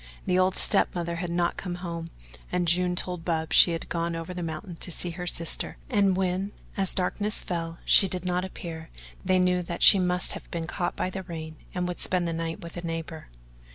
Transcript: The old step mother had not come home, and June told Bub she had gone over the mountain to see her sister, and when, as darkness fell, she did not appear they knew that she must have been caught by the rain and would spend the night with a neighbour.